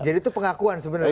jadi itu pengakuan sebenarnya